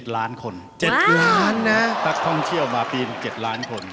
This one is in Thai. ล้านคน๗ล้านนะนักท่องเที่ยวมาปี๑๗ล้านคน